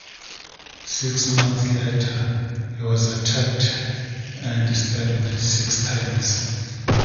Six months later, he was attacked and stabbed six times.